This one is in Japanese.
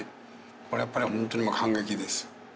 これはやっぱり本当に感激です。